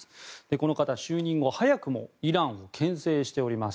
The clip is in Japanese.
この方、就任後早くもイランをけん制しております。